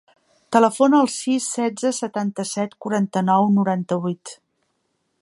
Telefona al sis, setze, setanta-set, quaranta-nou, noranta-vuit.